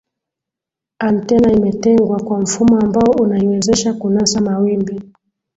antena imetengwa kwa mfumo ambao unaiwezesha kunasa mawimbi